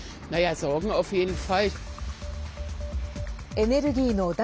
エネルギーの脱